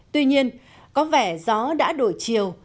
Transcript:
tuy nhiên có vẻ gió đã đổi chiều